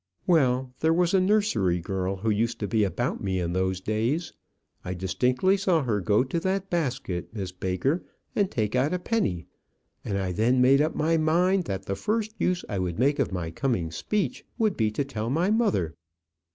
Well, there was a nursery girl who used to be about me in those days. I distinctly saw her go to that basket, Miss Baker, and take out a penny; and I then made up my mind that the first use I would make of my coming speech should be to tell my mother.